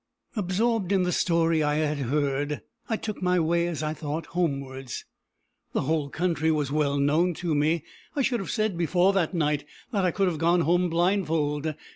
Absorbed in the story I had heard, I took my way, as I thought, homewards. The whole country was well known to me. I should have said, before that night, that I could have gone home blindfold.